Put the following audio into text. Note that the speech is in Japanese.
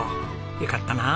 えかったなあ！